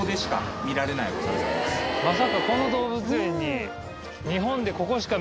まさかこの動物園に。